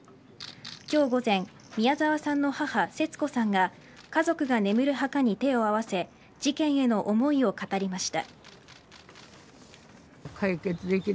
今日午前宮澤さんの母・節子さんが家族が眠る墓に手を合わせ事件への思いを語りました。